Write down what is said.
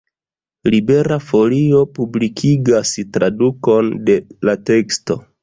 Libera Folio publikigas tradukon de la teksto.